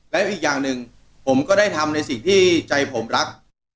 และอีกอย่างหนึ่งผมก็ได้ทำในสิ่งที่ใจผมรัก